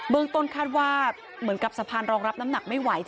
เมืองต้นคาดว่าเหมือนกับสะพานรองรับน้ำหนักไม่ไหว